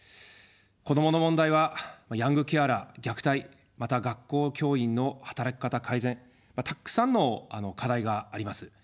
子どもの問題はヤングケアラー、虐待、また、学校教員の働き方改善、たくさんの課題があります。